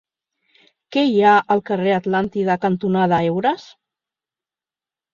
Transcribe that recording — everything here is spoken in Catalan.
Què hi ha al carrer Atlàntida cantonada Heures?